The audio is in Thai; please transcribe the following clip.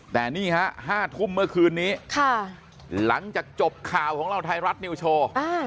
แต่นี่ฮะ๕ทุ่มเมื่อคืนนี้หลังจากจบข่าวของเราไทยรัฐนิวโชว์